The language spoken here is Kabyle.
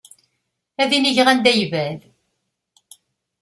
Ad inigeɣ anda yebɛed.